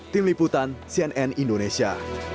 tim liputan cnn indonesia